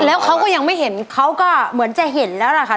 แล้วเขาก็ยังไม่เห็นเขาก็เหมือนจะเห็นแล้วล่ะค่ะ